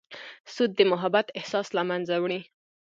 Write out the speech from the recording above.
سود د محبت احساس له منځه وړي.